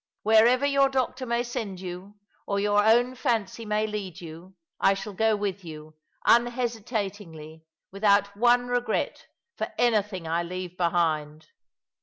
Wherever your doctor may send you, or your own fancy may lead you, I shall go with you, unhesitatingly — without one regret for anything I leave behind."